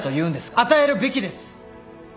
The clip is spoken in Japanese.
与えるべきです。